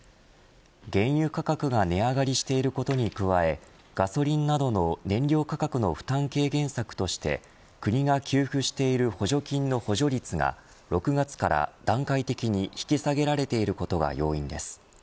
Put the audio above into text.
原油価格が値上がりしていることに加えガソリンなどの燃料価格の負担軽減策として国が給付している補助金の補助率が６月から、段階的に引き下げられていることが要因です。